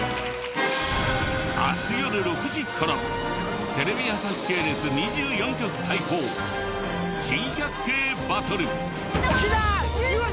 明日よる６時からテレビ朝日系列２４局対抗珍百景バトル！